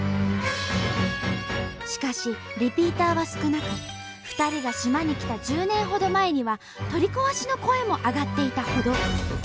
しかしリピーターは少なく２人が島に来た１０年ほど前には取り壊しの声も上がっていたほど。